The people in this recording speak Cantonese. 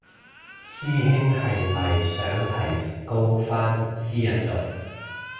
師兄係咪想提高返私隱度